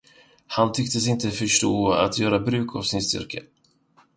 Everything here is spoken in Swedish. Han tycktes inte förstå att göra bruk av sin styrka.